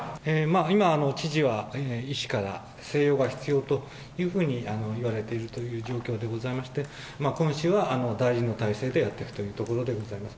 今、知事は医師から、静養が必要というふうに言われているという状況でございまして、今週は代理の体制でやっているということでございます。